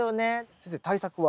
先生対策は？